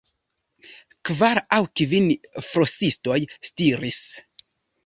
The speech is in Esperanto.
Kvar aŭ kvin flosistoj stiris.